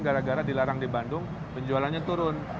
gara gara dilarang di bandung penjualannya turun